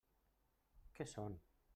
Què són?